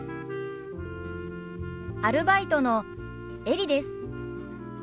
アルバイトのエリです。